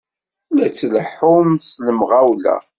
La tleḥḥum s lemɣawla!